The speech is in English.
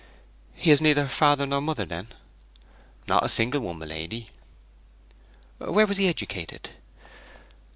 'He has neither father nor mother, then?' 'Not a single one, my lady.' 'Where was he educated?'